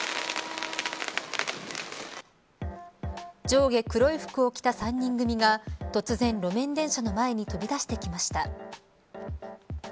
上下黒い服を着た３人組が突然、路面電車の前に飛び出してきました。